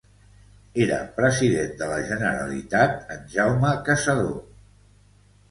Era President de la Generalitat en Jaume Caçador.